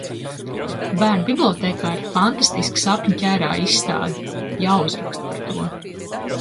Bērnu bibliotēkā ir fantastiska sapņu ķērāju izstāde! Jāuzraksta par to.